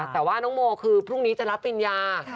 แต่ว่าน้องโมคือพรุ่งนี้จะรับปริญญา